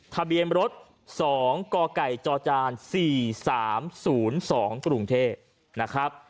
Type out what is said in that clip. ทะเบียนรถ๒กกจจ๔๓๐๒กรุงเทพนะครับ